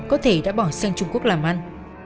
có thể đã bỏ sang trung quốc làm ăn